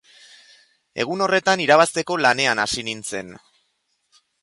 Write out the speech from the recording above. Egun horretan irabazteko lanean hasi nintzen.